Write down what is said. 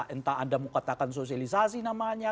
entah anda mau katakan sosialisasi namanya